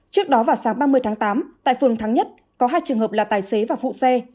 trước đó vào sáng ba mươi tháng tám tại phường thắng nhất có hai trường hợp là tài xế và phụ xe